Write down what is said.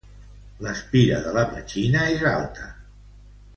L'espira de la petxina és alta.